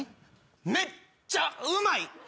めっちゃうまい。